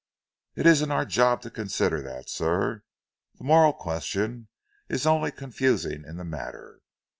"It isn't our job to consider that, sir. The moral question is only confusing in the matter.